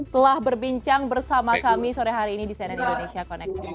telah berbincang bersama kami sore hari ini di cnn indonesia connected